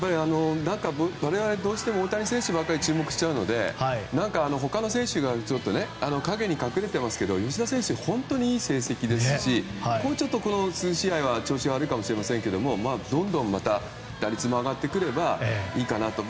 我々、どうしても大谷選手ばかり注目しちゃうので何か他の選手が陰に隠れてますけど吉田選手、本当にいい成績ですしこの数試合は調子悪いかもしれませんが打率も上がってくればいいかなと。